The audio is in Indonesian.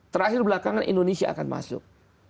terakhir belakangan indonesia akan masuk